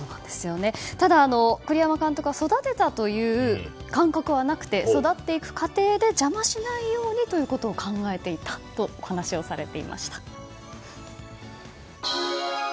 ただ、栗山監督は育てたという感覚はなくて育っていく過程で邪魔しないようにということを考えていたとお話をされていました。